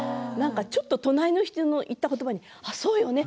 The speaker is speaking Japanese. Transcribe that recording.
ちょっと隣の人の言った言葉にそうよね